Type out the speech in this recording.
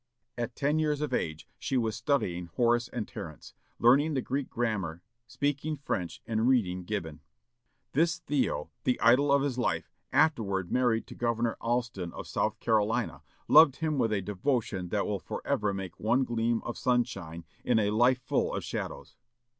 At ten years of age, she was studying Horace and Terence, learning the Greek grammar, speaking French, and reading Gibbon. This Theo, the idol of his life, afterward married to Governor Alston of South Carolina, loved him with a devotion that will forever make one gleam of sunshine in a life full of shadows.